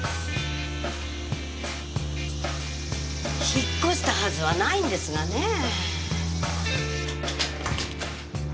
引っ越したはずはないんですがねぇ。